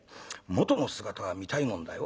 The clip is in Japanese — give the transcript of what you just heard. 元の姿が見たいもんだよ。